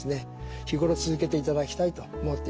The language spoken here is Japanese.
日頃続けていただきたいと思っています。